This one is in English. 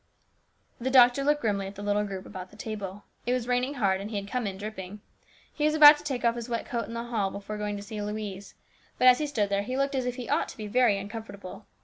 The doctor looked grimly at the little group about the table. It was raining hard and he had come in dripping. He was about to take off his wet coat in the hall before going to see Louise, but as he stood there he looked as if he ought to be very uncomfortable.